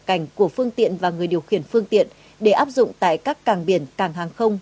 cảnh của phương tiện và người điều khiển phương tiện để áp dụng tại các cảng biển cảng hàng không